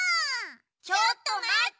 ちょっとまって！